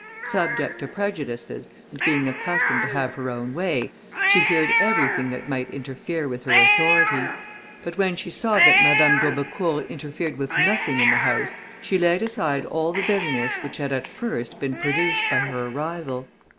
Subject to prejudices, and being accustomed to have her own way, she feared everything that might interfere with her authority. But when she saw that Madame d'Aubecourt interfered with nothing in the house, she laid aside all the bitterness which had at first been produced by her arrival.